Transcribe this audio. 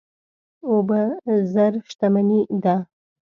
اوبه زر شتمني ده.